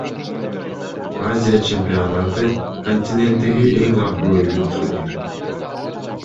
Азия чемпионаты — континенттеги эң абройлуу турнир.